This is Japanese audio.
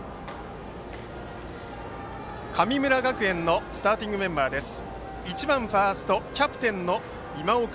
神村学園のスターティングメンバーです。